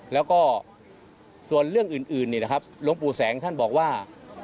แล้วก็ส่วนเรื่องอื่นนี่นะครับหลวงปู่แสงท่านบอกว่า